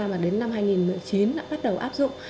mà đến năm hai nghìn một mươi chín đã bắt đầu áp dụng